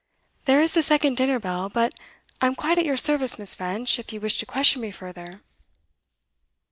There is the second dinner bell, but I am quite at your service, Miss. French, if you wish to question me further.